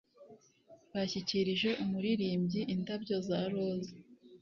bashyikirije umuririmbyi indabyo za roza